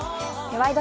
「ワイド！